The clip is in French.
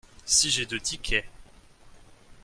Si j’ai deux tickets.